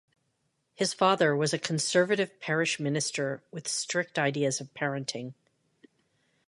His father was a conservative parish minister with strict ideas of parenting.